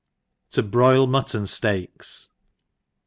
7o broil Mutton Steaks.